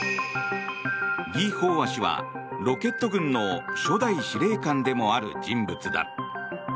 ギ・ホウワ氏はロケット軍の初代司令官でもある人物だ。